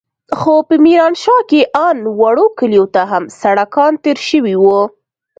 خو په ميرانشاه کښې ان وړو کليو ته هم سړکان تېر سوي وو.